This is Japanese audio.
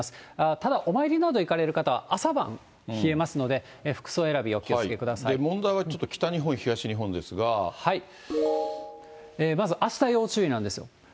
ただお参りなど行かれる方は、朝晩、冷えますので、服装選び、問題はちょっと、北日本、まず、あした要注意なんですよ。